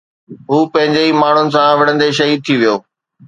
هو پنهنجي ئي ماڻهن سان وڙهندي شهيد ٿي ويو